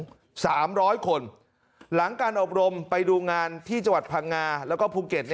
๓๐๐คนหลังการอบรมไปดูงานที่จังหวัดพังงาแล้วก็ภูเก็ต